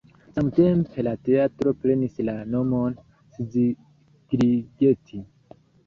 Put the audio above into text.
Samtempe la teatro prenis la nomon Szigligeti.